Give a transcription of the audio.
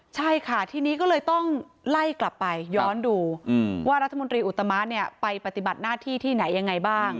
ใช่ค่ะทีนี้ก็เลยต้องไล่กลับไปย้อนดูว่ารัฐมนตรีอุตมะเนี่ยไปปฏิบัติหน้าที่ที่ไหนยังไงบ้าง